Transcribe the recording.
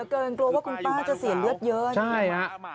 โกรธเกิญว่าคุณป้าจะเสียเลือดเยอะใช่ครับ